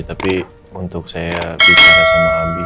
tapi untuk saya bicara sama abi